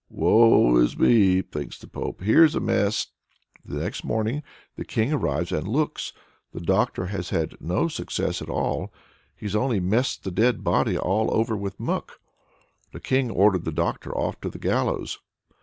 "Woe is me," thinks the Pope; "here's a mess!" Next morning the King arrives and looks the doctor has had no success at all he's only messed the dead body all over with muck! The King ordered the doctor off to the gallows.